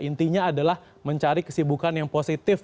intinya adalah mencari kesibukan yang positif